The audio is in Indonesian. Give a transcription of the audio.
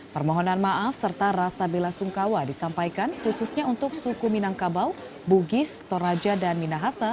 permohonan maaf serta rasa bela sungkawa disampaikan khususnya untuk suku minangkabau bugis toraja dan minahasa